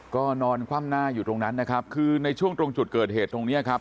ก็นอนคว่ำหน้าอยู่ตรงนั้นนะครับคือในช่วงตรงจุดเกิดเหตุตรงเนี้ยครับ